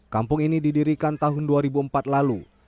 kampung ini didirikan tahun dua ribu empat lalu